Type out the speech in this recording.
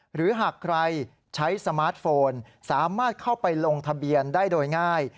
หรือหากใครใช้สมาร์ทโฟนสามารถเข้าไปลงทะเบียนได้โดยง่าย